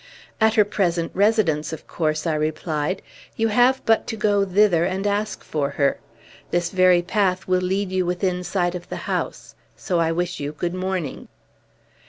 "At her present residence, of course," I replied. "You have but to go thither and ask for her. This very path will lead you within sight of the house; so I wish you good morning."